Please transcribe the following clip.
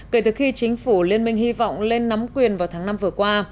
kể từ khi chính phủ liên minh hy vọng lên nắm quyền vào tháng năm vừa qua